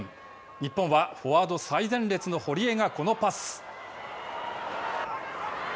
日本は、フォワード最前列の堀江がこのパス。